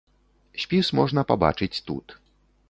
Спіс можна пабачыць тут.